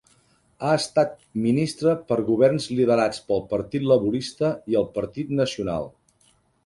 Ha estat ministre per governs liderats pel Partit Laborista i el Partit Nacional.